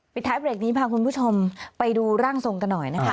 ท้ายเบรกนี้พาคุณผู้ชมไปดูร่างทรงกันหน่อยนะคะ